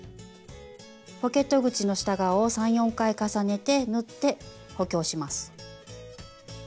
ポケット口の下側を３４回重ねて縫って補強します。